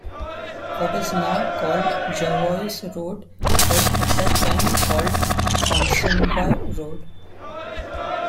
What is now called Jervois Road was at that time called Ponsonby Road.